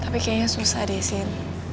tapi kayaknya susah deh sin